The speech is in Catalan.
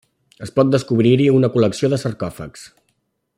Es pot descobrir-hi una col·lecció de sarcòfags.